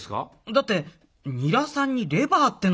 だってニラさんに「レバー」ってのは。